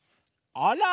あら！